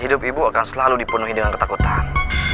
hidup ibu akan selalu dipenuhi dengan ketakutan